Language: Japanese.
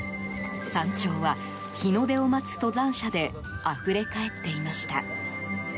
山頂は、日の出を待つ登山者であふれ返っていました。